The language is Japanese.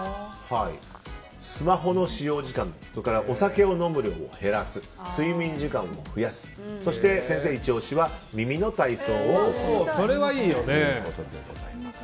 スマホの使用時間お酒を飲む量を減らす睡眠時間を増やすそして、先生イチ押しは耳の体操をするということです。